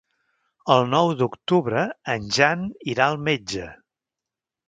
El nou d'octubre en Jan irà al metge.